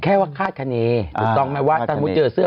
แค่ว่าคาดคณีถูกต้องไหมว่าถ้ามุติเจอเสื้อ